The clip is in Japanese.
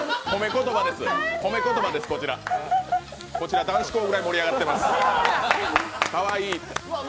褒め言葉です、こちら男子校ぐらい盛り上がってます。